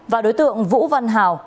và đối tượng vũ văn hào